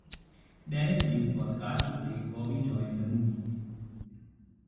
Derek Luke was cast to play Bobby Joe in the movie.